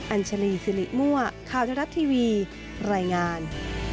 อัญชลีสิริมั่วข่าวทรัฐทีวีรายงาน